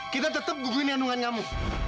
kita tetap gugurin kandungan kamu